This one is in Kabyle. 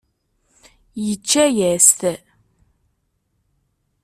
Yečča-as-t.